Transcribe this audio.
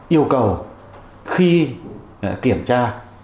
yêu cầu khi kiểm tra